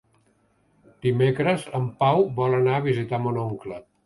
Dimecres en Pau vol anar a visitar mon oncle.